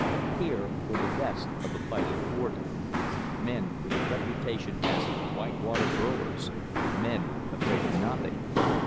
Here were the best of the Fighting Forty, men with a reputation as "white water birlers" men afraid of nothing.